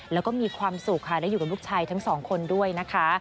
แล้วก็มีความสุขค่ะได้อยู่กับลูกชายทั้งสองคนด้วยนะคะ